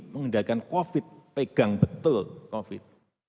mengendalikan covid pegang betul covid